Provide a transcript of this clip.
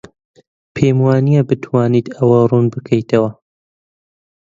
پێم وانییە بتوانیت ئەوە ڕوون بکەیتەوە.